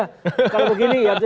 kalau begini ya